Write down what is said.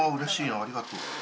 ありがとう。